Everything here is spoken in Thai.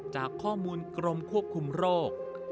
จากข้อมูลกรมควบคุมโรค